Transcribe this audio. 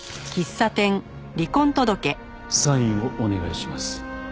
サインをお願いします。